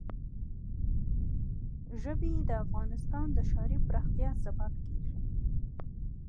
ژبې د افغانستان د ښاري پراختیا سبب کېږي.